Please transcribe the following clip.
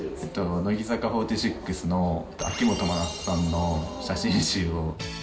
乃木坂４６の秋元真夏さんの写真集を。